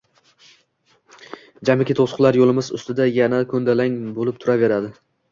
jamiki to‘siqlar yo‘limiz ustida yana ko‘ndalang bo‘lib turaveradi